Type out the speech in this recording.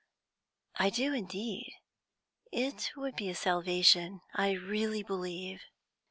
"I do, indeed; it would be salvation, I really believe."